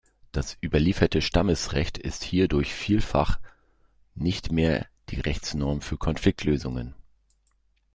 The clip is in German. Das überlieferte Stammesrecht ist hierdurch vielfach nicht mehr die Rechtsnorm für Konfliktlösungen.